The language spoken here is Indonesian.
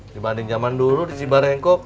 dibanding zaman dulu di cibarengkok